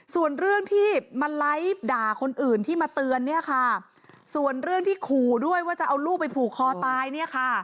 ส่วนเรื่องที่มาไลฟ์ด่าคนอื่นที่มาเตือนเนี่ยค่ะส่วนเรื่องที่ขู่ด้วยว่าจะเอาลูกไปผูกคอตายเนี่ยค่ะ